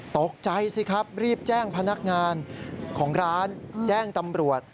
ตกใจสิครับรีบแจ้งพนักงานของร้านแจ้งตำรวจ